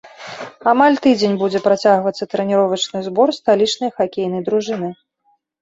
Амаль тыдзень будзе працягвацца трэніровачны збор сталічнай хакейнай дружыны.